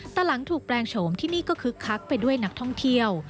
แต่หลังถูกแปลงโฉมที่นี่ก็คึกคักไปด้วยนักท่องเที่ยว